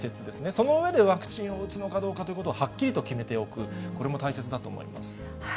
その上で、ワクチンを打つのかどうかということをはっきりと決めておく、これも大切だと思います。